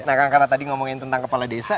nah kang karena tadi ngomongin tentang kepala desa